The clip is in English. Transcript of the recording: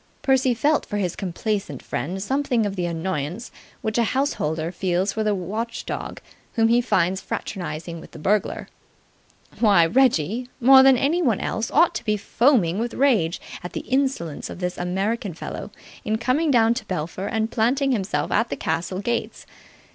Percy felt for his complaisant friend something of the annoyance which a householder feels for the watchdog whom he finds fraternizing with the burglar. Why, Reggie, more than anyone else, ought to be foaming with rage at the insolence of this American fellow in coming down to Belpher and planting himself at the castle gates.